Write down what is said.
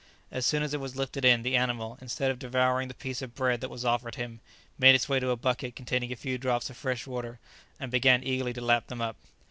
As soon as it was lifted in, the animal, instead of devouring the piece of bread that was offered him, made its way to a bucket containing a few drops of fresh water, and began eagerly to lap them up.